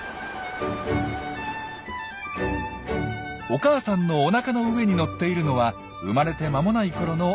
お母さんのおなかの上に乗っているのは生まれて間もないころのエーコ。